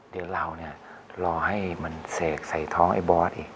เดี๋ยวเราเนี่ยรอให้มันเสกใส่ท้องไอ้บอสอีก